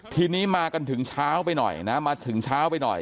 ทีนี้มากันถึงเช้าไปหน่อยนะมาถึงเช้าไปหน่อย